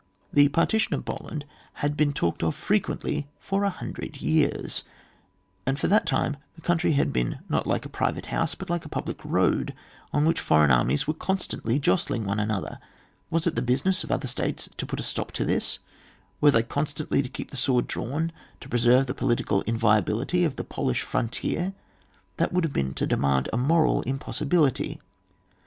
The partition of Poland had been talked of frequently for a hundred years, and for that time the country had been not like a private house, but like a public road, on which foreign armies were con stantly jostling one another. Was it the business of other states to put a stop to this; were they constantly to keep the sword drawn to preserve the political in violability of the Polish frontier ? That would have been to demand a moral impossibility.